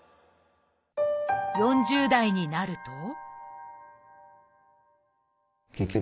４０代になると結局